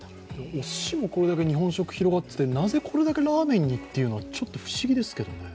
おすしもこれだけ日本食が広がっててなぜこれだけラーメンにというのもちょっと不思議ですけどね？